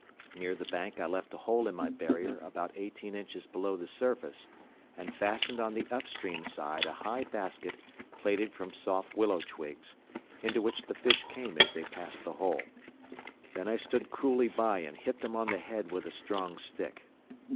Near the bank I left a hole in my barrier about eighteen inches below the surface and fastened on the up stream side a high basket plaited from soft willow twigs, into which the fish came as they passed the hole. Then I stood cruelly by and hit them on the head with a strong stick.